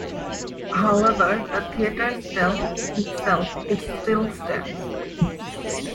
However, the theatre itself still stands.